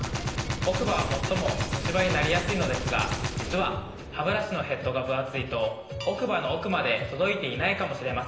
奥歯は最もムシ歯になりやすいのですが実はハブラシのヘッドが分厚いと奥歯の奥まで届いていないかもしれません。